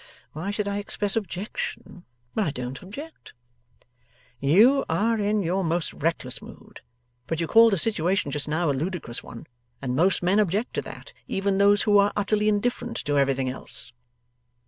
Why should I express objection, when I don't object?' 'You are in your most reckless mood. But you called the situation just now, a ludicrous one; and most men object to that, even those who are utterly indifferent to everything else.